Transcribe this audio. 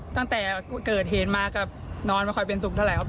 ตั้งแต่เกิดเหตุมาก็นอนไม่ค่อยเป็นสุขเท่าไหร่ครับ